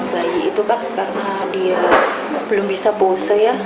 bayi itu kan karena dia belum bisa pose ya